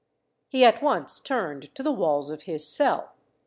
He at once turned to the walls of his cell.